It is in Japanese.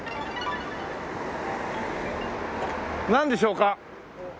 なんでしょうか？